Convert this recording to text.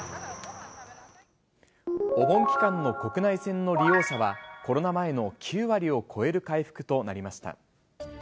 お盆期間の国内線の利用者はコロナ前の９割を超える回復となりました。